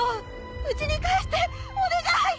うちに帰してお願い！